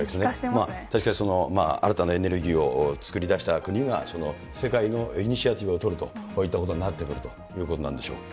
確かに新たなエネルギーを作り出した国が、世界のイニシアチブをとるといったことになるということなんでしょう。